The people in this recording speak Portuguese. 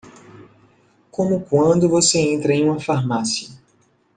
Como quando você entra em uma farmácia.